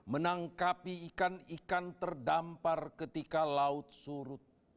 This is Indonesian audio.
menangkapi ikan ikan terdampar ketika laut surut